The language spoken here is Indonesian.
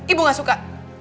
ibu gak suka